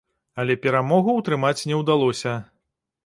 Але перамогу ўтрымаць не ўдалося.